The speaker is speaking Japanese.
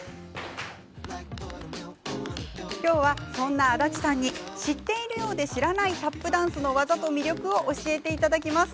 今日は、そんな安達さんに知っているようで知らないタップダンスの技と魅力を教えていただきます。